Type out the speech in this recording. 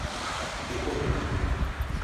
decorrer